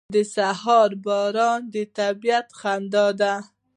• د سهار باران د طبیعت خندا ده.